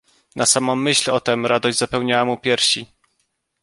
"Na samą myśl o tem, radość zapełniała mu piersi."